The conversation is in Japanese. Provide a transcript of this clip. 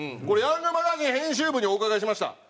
これ『ヤングマガジン』編集部にお伺いしました。